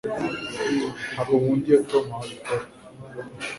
Ntabwo nkunda iyo Tom abikora